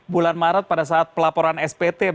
bulan maret pada saat pelaporan spt